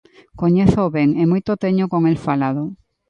Coñézoo ben e moito teño con el falado.